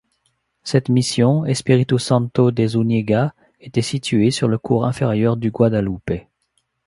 Cette mission, Espíritu Santo de Zúñiga était située sur le cours inférieur du Guadalupe.